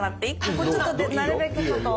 ここちょっとなるべく多めに。